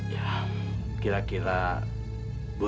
ya kira kira dua jutaan